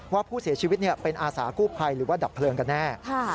ว่าผู้เสียชีวิตเป็นอาสากู้ภัยหรือว่าดับเพลิงกันแน่